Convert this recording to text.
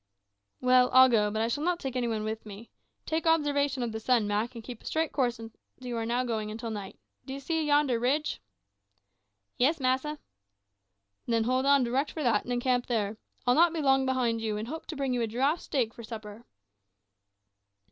"Well, I'll go; but I shall not take any one with me. Take observation of the sun, Mak, and keep a straight course as you are now going until night. D'ye see yonder ridge?" "Yes, massa." "Then hold on direct for that, and encamp there. I'll not be long behind you, and hope to bring you a giraffe steak for supper."